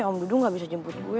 nih om dudung gak bisa jemput gue